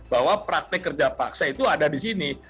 bahwa praktek kerja paksa itu ada di sini